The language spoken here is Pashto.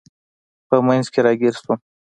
په منځ کې راګیر شوم.